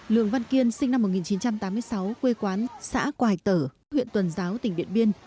lường văn kiên sinh năm một nghìn chín trăm tám mươi sáu quê quán xã quài tở huyện tuần giáo tỉnh điện biên